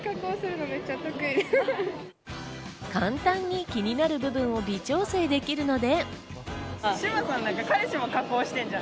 簡単に気になる部分を微調整できるので。